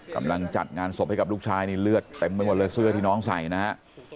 กำลังจัดงานสบให้กับลูกชายในเลือดแปะเมืองเวลาเสื้อที่น้องใส่นะฮะ